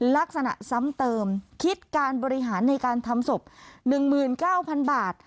ลักษณะซ้ำเติมคิดการบริหารในการทำศพ๑๙๐๐บาท